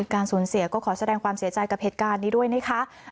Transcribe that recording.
การสูญเสียก็ขอแสดงความเสียใจกับเหตุการณ์นี้ด้วยนะคะ